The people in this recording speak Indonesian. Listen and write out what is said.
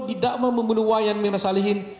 tidak memenuhi wayang mirna salihin